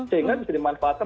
sehingga bisa dimanfaatkan